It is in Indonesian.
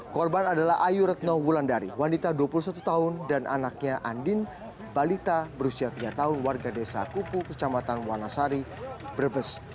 korban adalah ayu retno wulandari wanita dua puluh satu tahun dan anaknya andin balita berusia tiga tahun warga desa kupu kecamatan wanasari brebes